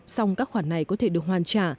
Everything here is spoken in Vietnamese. xong các khoản này có thể được hoàn trả